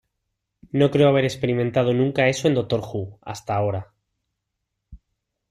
No creo haber experimentado nunca eso en "Doctor Who" hasta ahora...